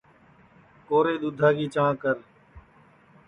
کورے دُؔدھا کی چانٚھ کر